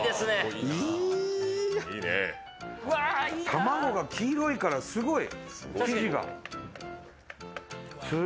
卵が黄色いから、すごい。